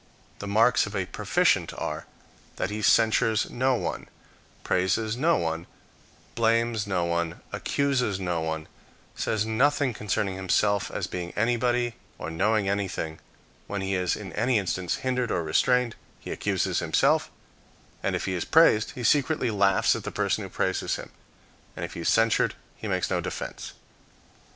The marks of a proficient are, that he censures no one, praises no one, blames no one, accuses no one, says nothing concerning himself as being anybody, or knowing anything: when he is, in any instance, hindered or restrained, he accuses himself; and, if he is praised, he secretly laughs at the person who praises him; and, if he is censured, he makes no defense.